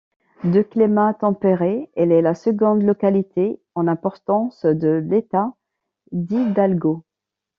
De climat tempéré, elle est la seconde localité en importance de l'État d'Hidalgo.